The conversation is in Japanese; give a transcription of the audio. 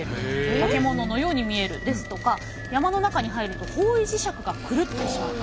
化け物のように見えるですとか山の中に入ると方位磁石がくるってしまって。